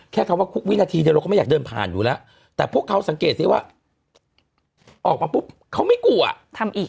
คำว่าคุกวินาทีเดียวเราก็ไม่อยากเดินผ่านอยู่แล้วแต่พวกเขาสังเกตซิว่าออกมาปุ๊บเขาไม่กลัวอ่ะทำอีก